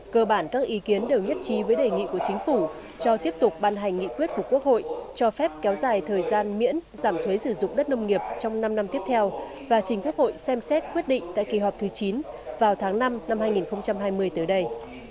cơ bản các ý kiến đều nhất trí với đề nghị của chính phủ cho tiếp tục ban hành nghị quyết của quốc hội cho phép kéo dài thời gian miễn giảm thuế sử dụng đất nông nghiệp trong năm năm tiếp theo và chính quốc hội xem xét quyết định tại kỳ họp thứ chín vào tháng năm năm hai nghìn hai mươi tới đây